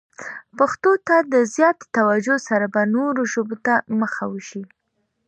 پښتو ته د زیاتې توجه سره به نورو ژبو ته مخه وشي.